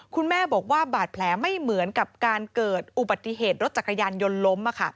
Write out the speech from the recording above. คุณแม่บอกว่าบาดแผลไม่เหมือนกับการเกิดอุบัติเหตุรถจักรยานยนต์ล้ม